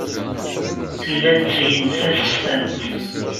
Llan ttgen tasestant.